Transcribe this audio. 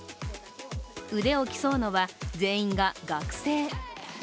腕を競うのは、全員が学生。